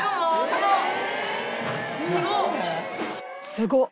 すごっ！